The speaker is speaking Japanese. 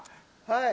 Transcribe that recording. はい。